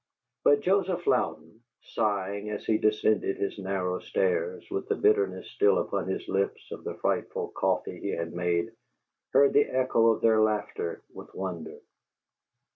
But Joseph Louden, sighing as he descended his narrow stairs, with the bitterness still upon his lips of the frightful coffee he had made, heard the echo of their laughter with wonder.